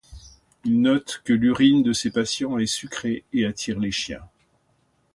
Il note que l'urine de ses patients est sucrée et attire les chiens.